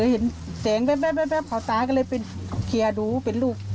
เห็นแสงแว๊บเขาตาก็เลยไปเคลียร์ดูว่าเป็นลูก